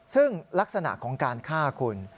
ซึ่งลักษณะของการฆ่าคุณ